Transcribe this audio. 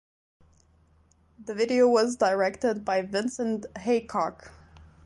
The video was directed by Vincent Haycock.